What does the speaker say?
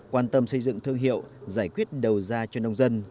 quan tâm xây dựng thương hiệu giải quyết đầu ra cho nông dân